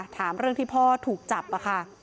ถามเรื่องที่พ่อถูกจับค่ะ